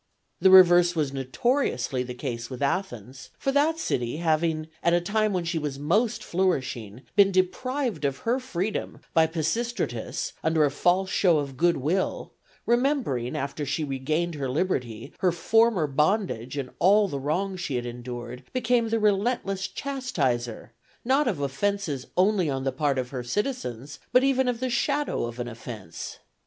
The reverse was notoriously the case with Athens; for that city, having, at a time when she was most flourishing, been deprived of her freedom by Pisistratus under a false show of good will, remembering, after she regained her liberty, her former bondage and all the wrongs she had endured, became the relentless chastiser, not of offences only on the part of her citizens, but even of the shadow of an offence.